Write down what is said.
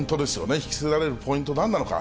引き付けられるポイントなんなのか。